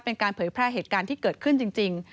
เป็นการเผยแพร่เหตุการณ์ที่เกิดขึ้นจริง